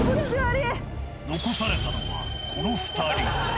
残されたのは、この２人。